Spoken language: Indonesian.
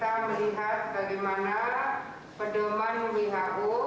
apakah dari kepala daerah atau dari toko